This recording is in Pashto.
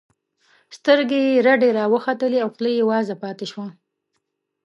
سترګې یې رډې راوختلې او خوله یې وازه پاتې شوه